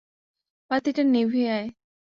বাতিটা নিভিয়ে আয়।